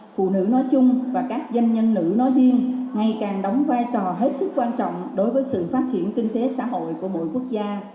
phụ nữ nói chung và các doanh nhân nữ nói riêng ngày càng đóng vai trò hết sức quan trọng đối với sự phát triển kinh tế xã hội của mỗi quốc gia